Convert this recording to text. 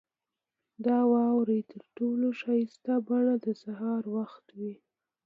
• د واورې تر ټولو ښایسته بڼه د سهار وخت وي.